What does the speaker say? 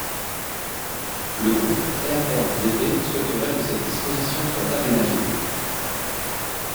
Le groupe RRDP souhaiterait que cette disposition soit aménagée.